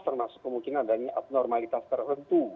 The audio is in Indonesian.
termasuk kemungkinan adanya abnormalitas tertentu